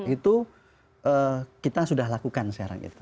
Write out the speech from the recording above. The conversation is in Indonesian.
itu kita sudah lakukan sekarang itu